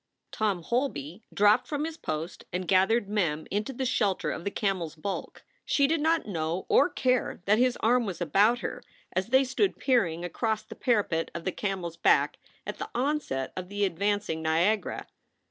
Tom Holby dropped from his post and gathered Mem into the shelter of the earners bulk. She did not know or care that his arm was about her as they stood peering 10 138 SOULS FOR SALE across the parapet of the camel s back at the onset of the advancing Niagara.